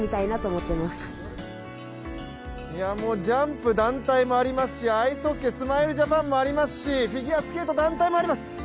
ジャンプ団体もありますし、アイスホッケー、スマイルジャパンもありますし、フィギュアスケート団体もあります！